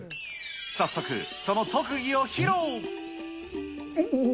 早速、その特技を披露。